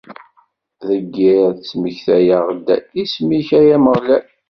Deg yiḍ, ttmektayeɣ-d isem-ik, ay Ameɣlal.